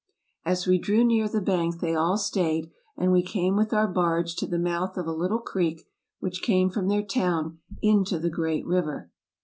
" As we drew near the bank they all stayed, and we came with our barge to the mouth of a little creek which came from their town into the great river.